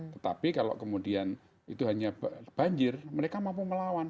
tetapi kalau kemudian itu hanya banjir mereka mampu melawan